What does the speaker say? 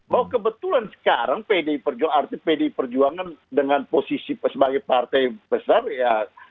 bahwa kebetulan sekarang pdi perjuangan artinya pdi perjuangan dengan posisi sebagai partai besar ya